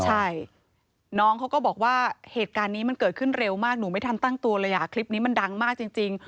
ใช่น้องเขาก็บอกว่าเหตุการณ์นี้มันเกิดขึ้นเร็วมากหนูไม่ทันตั้งตัวเลยอ่ะคลิปนี้มันดังมากจริง